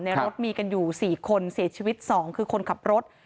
รถมีกันอยู่๔คนเสียชีวิต๒คือคนขับรถ